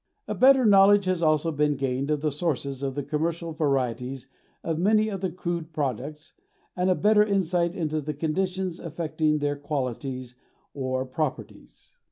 A better knowledge has also been gained of the sources of the commercial varieties of many of the crude products, and a better insight into the conditions affecting their qualities or properties.